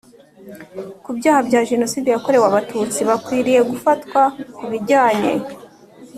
ku byaha bya Jenoside yakorewe Abatutsi bakwiriye gufatwa ku bijyanye